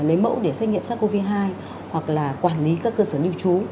lấy mẫu để xét nghiệm sars cov hai hoặc là quản lý các cơ sở lưu trú